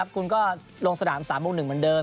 คุณก็ลงสถานที่สามบวกหนึ่งมันเดิม